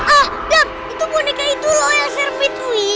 ah dap itu boneka itu loh ya sherpy